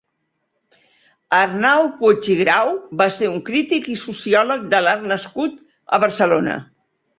Arnau Puig i Grau va ser un crític i sociòleg de l'art nascut a Barcelona.